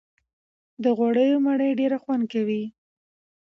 د غوړيو مړۍ ډېره خوند کوي